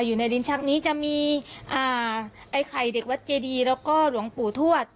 อยู่ในลิ้นชักนี้จะมีอ่าไอ้ไข่เด็กวัดเจดีแล้วก็หลวงปู่ทวด